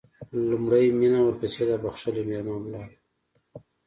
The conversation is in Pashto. لومړی مينه ورپسې دا بښلې مېرمنه لاړه.